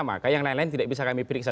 maka yang lain lain tidak bisa kami periksa